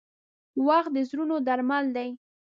• وخت د زړونو درمل دی.